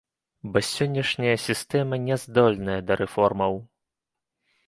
Бо сённяшняя сістэма няздольная да рэформаў.